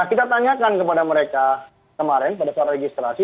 nah kita tanyakan kepada mereka kemarin pada suara registrasi